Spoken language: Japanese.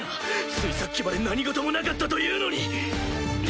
ついさっきまで何事もなかったというのに！